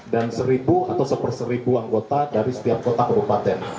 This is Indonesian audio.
dan seribu atau seper seribu anggota dari setiap kota kebupaten